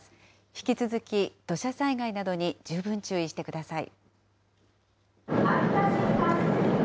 引き続き、土砂災害などに十分注意してください。